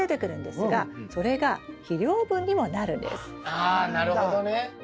ああなるほどね。